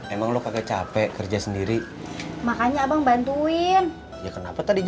emang lo kakek capek kerja sendiri makanya abang bantuin ya kenapa tadi